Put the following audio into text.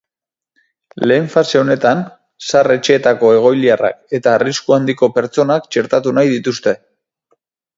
Lehen fase honetan zahar-etxeetako egoiliarrak eta arrisku handiko pertsonak txertatu nahi dituzte.